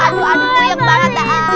aduh aduh kuyuk banget ya